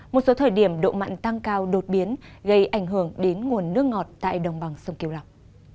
một số thời điểm độ mặn tăng cao đột biến gây ảnh hưởng đến nguồn nước ngọt tại đồng bằng sông kiều lọc